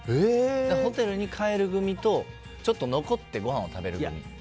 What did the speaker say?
ホテルに帰る組と残って、ごはんを食べる組。